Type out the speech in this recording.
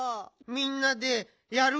みんなでやる。